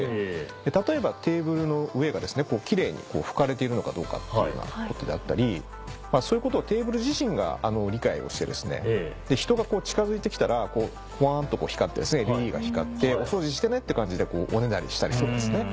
例えばテーブルの上がキレイに拭かれているのかどうかっていうようなことであったりそういうことをテーブル自身が理解をして人が近づいてきたらホワンとＬＥＤが光って「お掃除してね」って感じでおねだりしたりとかですね。